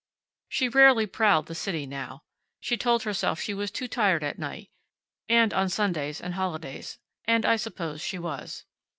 She rarely prowled the city now. She told herself she was too tired at night, and on Sundays and holidays, and I suppose she was.